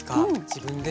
自分で。